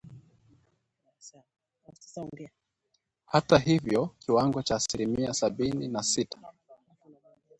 Hata hivyo kiwango cha asilimia sabini na sita